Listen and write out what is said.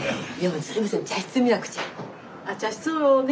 あ茶室をね